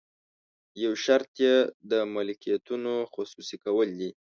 یو شرط یې د ملکیتونو خصوصي کول دي.